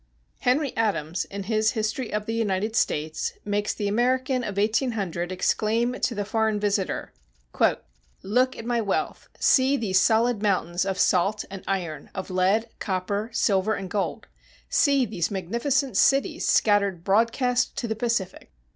Henry Adams, in his History of the United States, makes the American of 1800 exclaim to the foreign visitor, "Look at my wealth! See these solid mountains of salt and iron, of lead, copper, silver, and gold. See these magnificent cities scattered broadcast to the Pacific!